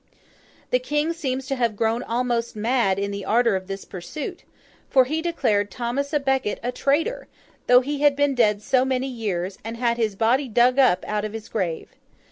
The King seems to have grown almost mad in the ardour of this pursuit; for he declared Thomas à Becket a traitor, though he had been dead so many years, and had his body dug up out of his grave.